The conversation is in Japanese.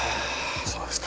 そうですか。